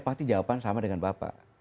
pasti jawaban sama dengan bapak